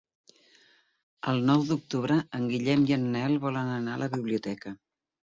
El nou d'octubre en Guillem i en Nel volen anar a la biblioteca.